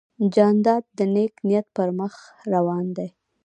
جانداد د نیک نیت پر مخ روان دی.